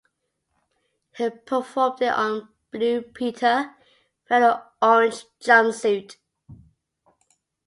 He performed it on "Blue Peter" wearing an orange jump suit.